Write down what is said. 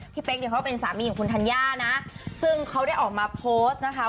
เป๊กเนี่ยเขาเป็นสามีของคุณธัญญานะซึ่งเขาได้ออกมาโพสต์นะคะ